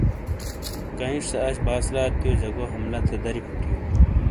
کانئیش سے اش باس راتیو جگو حملہ تھے داری فوٹییں ۔